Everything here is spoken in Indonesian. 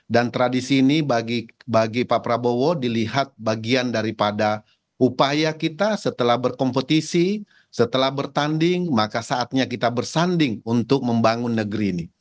dan tradisi ini bagi pak prabowo dilihat bagian daripada upaya kita setelah berkompetisi setelah bertanding maka saatnya kita bersanding untuk membangun negeri ini